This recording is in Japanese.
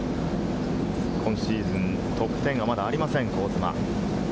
今シーズン、トップテンがまだありません、香妻。